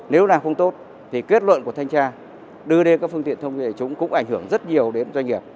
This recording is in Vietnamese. nếu làm không tốt thì kết luận của thanh tra đưa lên các phương tiện thông tin để chúng cũng ảnh hưởng rất nhiều